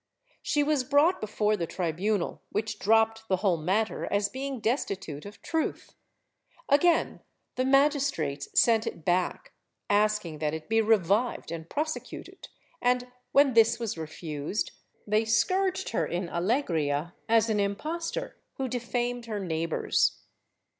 She was brought before the tribunal, which dropped the whole matter as being destitute of truth; again the magistrates sent it back, asking that it be revived and prosecuted and, when this was refused, they scourged her in Alegria as an impostor who defamed her neighbors.